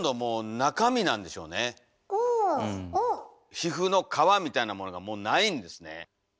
皮膚の皮みたいなものがもうないんですね。